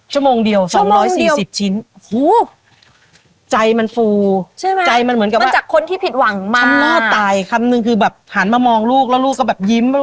ชั่วโมงเดียว๒๔๐ชิ้นหูใจมันฟูใจมันเหมือนกับว่าช่ำล่อตายคำนึงคือหามามองลูกแล้วลูกก็แบบยิ้ม